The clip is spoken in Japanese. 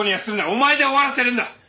お前で終わらせるんだ！